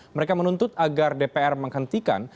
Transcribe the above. mereka menuntut agar dpr menghentikan